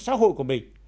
xã hội của mình